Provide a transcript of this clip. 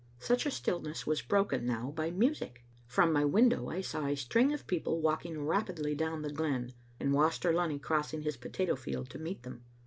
Such a stillness was broken now by music. From my window I saw a string of people walking rapidly down the glen, and Waster Lunny crossing his potato field to meet them.